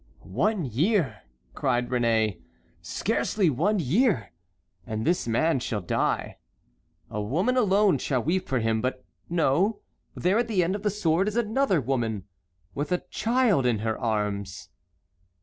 "One year," cried Réné, "scarcely one year, and this man shall die. A woman alone shall weep for him. But no, there at the end of the sword is another woman, with a child in her arms."